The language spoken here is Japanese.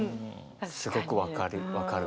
すごく分かる。